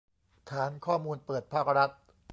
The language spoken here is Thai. ฐานข้อมูลเปิดภาครัฐ